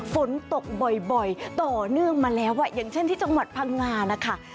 ฝนตกบ่อยต่อเนื่องมาแล้วอย่างเช่นที่จังหวัดพังงานะคะ